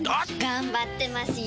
頑張ってますよ！